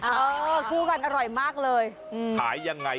เออคู่กันอร่อยมากเลย